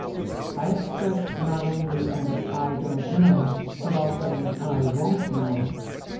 It expressed not only an 'I don't know,' but also an 'I won't know.'